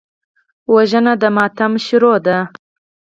وژنه د ماتم پیل دی